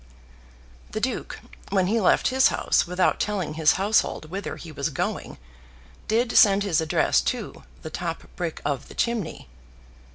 The Duke, when he left his house without telling his household whither he was going, did send his address to, the top brick of the chimney.